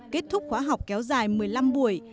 kết thúc khóa học kéo dài một mươi năm buổi